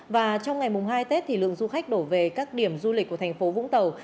và trong ngày hai tết thì lượng du khách đổ về các điểm du lịch của thành phố vũng tàu